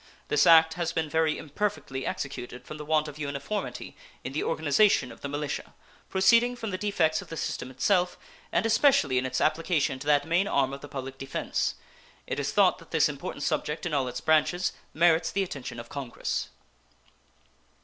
This act has been very imperfectly executed from the want of uniformity in the organization of the militia, proceeding from the defects of the system itself, and especially in its application to that main arm of the public defense. It is thought that this important subject in all its branches merits the attention of Congress.